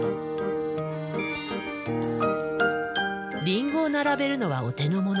リンゴを並べるのはお手の物。